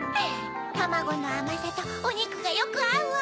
たまごのあまさとおにくがよくあうわ！